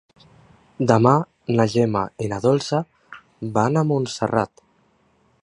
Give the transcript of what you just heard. Demà na Gemma i na Dolça van a Montserrat.